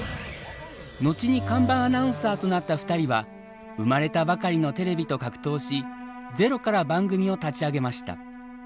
後に看板アナウンサーとなった２人は生まれたばかりのテレビと格闘しゼロから番組を立ち上げました。